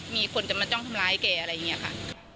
มีคนจะมาจ้องทำร้ายแกอะไรอย่างนี้ค่ะ